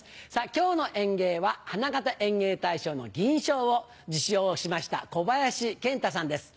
今日の演芸は花形演芸大賞の銀賞を受賞しましたこばやしけん太さんです。